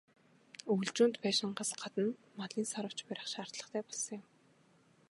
Өвөлжөөнд байшингаас гадна малын "саравч" барих шаардлагатай болсон юм.